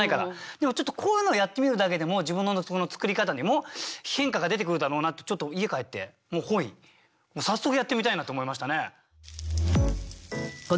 でもちょっとこういうのをやってみるだけでも自分の作り方にも変化が出てくるだろうなってちょっと家帰ってもう本意早速やってみたいなって思いましたね。